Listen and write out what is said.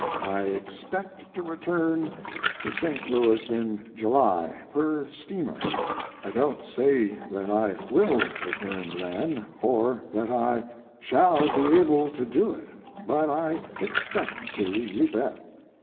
I expect to return to St. Louis in July per steamer. I don't say that I will return then, or that I shall be able to do it but I expect to you bet.